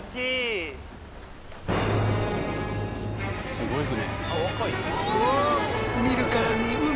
すごい船。